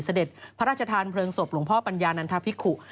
เสด็จพระราชทานเพลิงศพหลวงพ่อปัญญานันทภิกุ